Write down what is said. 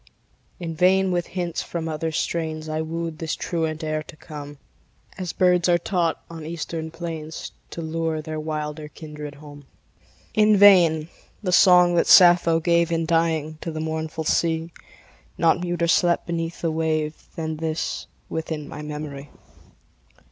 In vain with hints from other strains I wooed this truant air to come As birds are taught on eastern plains To lure their wilder kindred home. In vain: the song that Sappho gave, In dying, to the mournful sea, Not muter slept beneath the wave Than this within my memory.